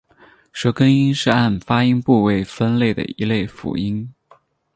舌根音是按发音部位分类的一类辅音。